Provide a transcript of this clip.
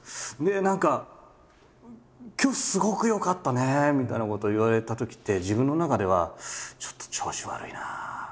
何か今日すごく良かったねみたいなことを言われたときって自分の中ではちょっと調子悪いなみたいな。